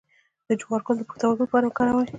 د جوار ګل د پښتورګو لپاره وکاروئ